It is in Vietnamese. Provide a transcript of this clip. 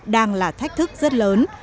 đang là thách thức rất lớn